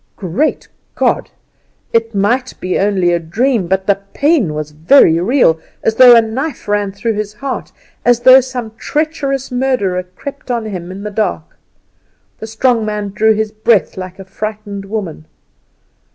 Great God! it might be only a dream, but the pain was very real, as though a knife ran through his heart, as though some treacherous murderer crept on him in the dark! The strong man drew his breath like a frightened woman.